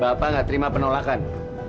bapak gak terima penolakan